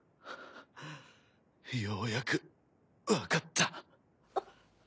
ようやくわかった。